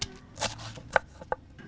di mana ada beberapa tempat yang menyenangkan